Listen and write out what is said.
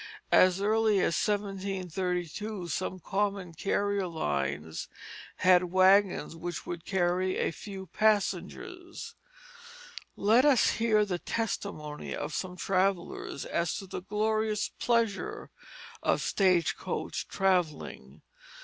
As early as 1732 some common carrier lines had wagons which would carry a few passengers. Let us hear the testimony of some travellers as to the glorious pleasure of stage coach travelling.